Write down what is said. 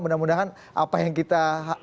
mudah mudahan apa yang kita